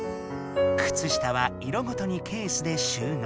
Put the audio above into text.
くつ下は色ごとにケースで収納。